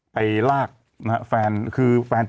ไปลากแฟน